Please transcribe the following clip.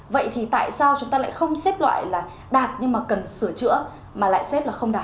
vậy thì tại sao chúng ta lại không xếp loại là đạt nhưng mà cần sửa chữa mà lại xếp là không đạt